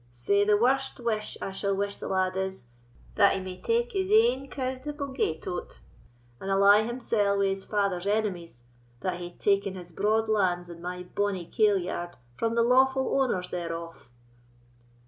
Sae the warst wish I shall wish the lad is, that he may take his ain creditable gate o't, and ally himsell wi' his father's enemies, that have taken his broad lands and my bonny kail yard from the lawful owners thereof."